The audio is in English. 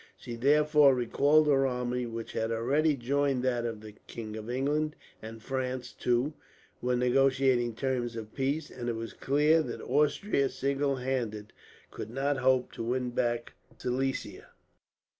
She therefore recalled her army, which had already joined that of the king. England and France, too, were negotiating terms of peace; and it was clear that Austria, single handed, could not hope to win back Silesia.